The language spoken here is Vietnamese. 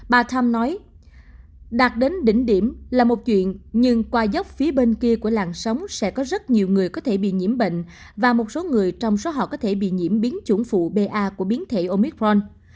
bà tham nói đạt đến đỉnh điểm là một chuyện nhưng qua dốc phía bên kia của làng sống sẽ có rất nhiều người có thể bị nhiễm bệnh và một số người trong số họ có thể bị nhiễm biến chủng phụ ba của biến thể omicron